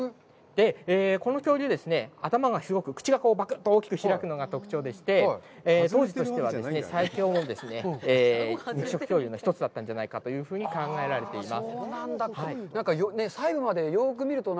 この恐竜、頭が広く、口がばくっと大きく開くのが特徴でして、当時としては、最強の肉食恐竜の一つだったんじゃないかというふうに考えられています。